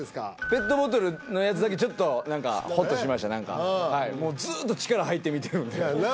ペットボトルのやつだけちょっと何かホッとしました何かもうずーっと力入って見てるんでそやな